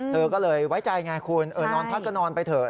เธอก็เลยไว้ใจไงคุณนอนพักก็นอนไปเถอะ